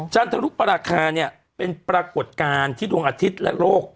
จันทรุปราคาเนี่ยเป็นปรากฏการณ์ที่ดวงอาทิตย์และโลก